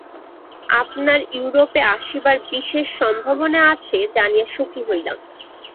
আপনার ইউরোপে আসিবার বিশেষ সম্ভাবনা আছে জানিয়া সুখী হইলাম।